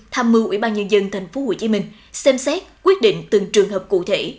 tham mưu ủy ban nhân dân tp hcm xem xét quyết định từng trường hợp cụ thể